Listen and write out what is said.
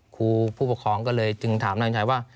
ครูผู้ปกครองก็เลยจึงถามนางชัยว่า